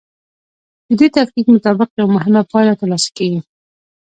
د دې تفکیک مطابق یوه مهمه پایله ترلاسه کیږي.